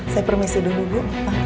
saya permisi dulu bu